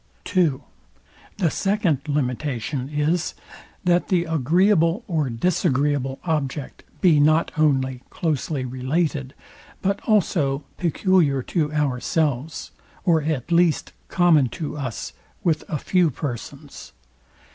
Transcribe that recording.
II. The second limitation is, that the agreeable or disagreeable object be not only closely related, but also peculiar to ourselves, or at least common to us with a few persons.